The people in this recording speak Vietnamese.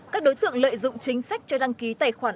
các đối tượng lợi dụng chính sách cho đăng ký tài khoản